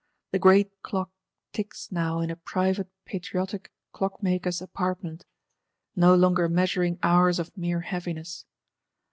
The great Clock ticks now in a private patriotic Clockmaker's apartment; no longer measuring hours of mere heaviness.